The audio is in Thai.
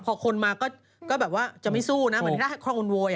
ทำไมเสียงเปลี่ยน